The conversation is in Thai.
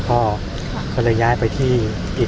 ภาษาสนิทยาลัยสุดท้าย